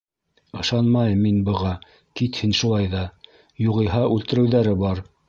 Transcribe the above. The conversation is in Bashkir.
Ышанмайым мин быға, кит һин шулай ҙа, юғиһә үлтереүҙәре бар.